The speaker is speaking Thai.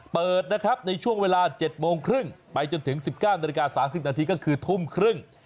เปิดในช่วงเวลา๗โมงครึ่งไปจนถึง๑๙น๓๐นก็คือทุ่มครึ่ง